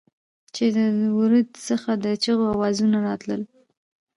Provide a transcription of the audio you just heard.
چې د ورد څخه د چېغو اوزونه راتلل.